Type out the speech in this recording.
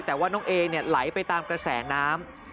แต่ว่าน้องเอเนี่ยไหลไปตามกระแสน้ำ